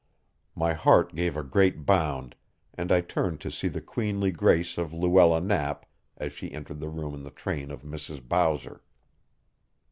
My heart gave a great bound, and I turned to see the queenly grace of Luella Knapp as she entered the room in the train of Mrs. Bowser.